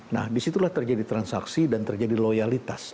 nah disitulah terjadi transaksi dan terjadi loyalitas